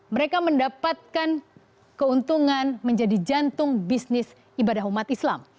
mereka mendapatkan keuntungan menjadi jantung bisnis ibadah umat islam